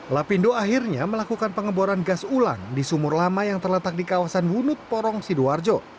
lapindo akhirnya melakukan pengeboran gas ulang di sumur lama yang terletak di kawasan wunut porong sidoarjo